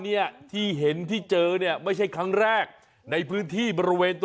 ไอ้แคร่มาครับ